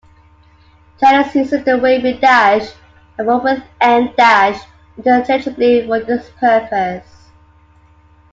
Chinese uses the wavy dash and full-width em dash interchangeably for this purpose.